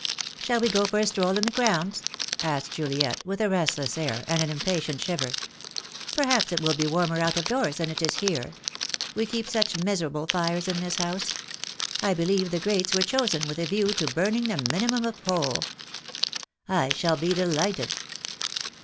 "Shall we go for a stroll in the grounds?" asked Juliet, with a restless air, and an impatient shiver. "Perhaps it will be warmer out of doors than it is here. We keep such miserable fires in this house. I believe the grates were chosen with a view to burning the minimum of coal." THE DAY WILL COME. 313 "I shall be delighted."